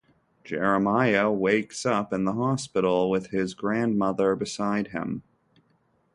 Jeremiah wakes up in the hospital with his grandmother beside him.